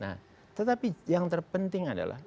nah tetapi yang terpenting adalah